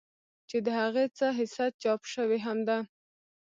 چې د هغې څۀ حصه چاپ شوې هم ده